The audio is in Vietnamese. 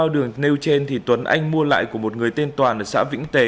ba mươi ba đường nêu trên thì tuấn anh mua lại của một người tên toàn ở xã vĩnh tế